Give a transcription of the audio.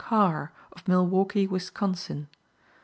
Carr, of Milwaukee, Wisconsin.